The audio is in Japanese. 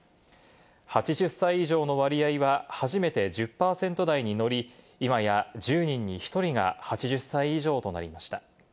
８０歳以上の割合は、初めて１０％台に乗り、今や１０人に１人が８０歳以上となりました。